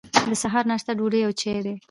د سهار ناشته ډوډۍ او چای دی.